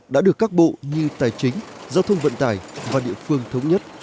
đã được các bộ như tài chính giao thông vận tải và địa phương thống nhất